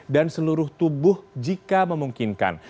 dan seluruh tubuh jika memungkinkan